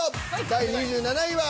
第２７位は。